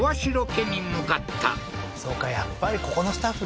家に向かったそうかやっぱりここのスタッフ